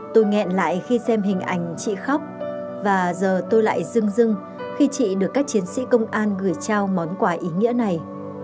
tôi nghẹn lại khi xem hình ảnh chị khóc và giờ tôi lại dưng dưng khi chị được các chiến sĩ công an gửi trao món quà ý nghĩa này